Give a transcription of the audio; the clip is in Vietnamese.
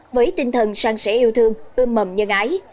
với tinh thần sang sẻ yêu thương ưm mầm nhân ái